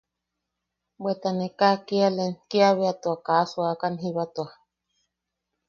Bweta ne kaa kialen, kiabea tua kaa suakan jiba tua.